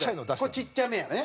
これちっちゃめやね。